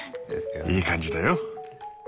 いい感じだよ。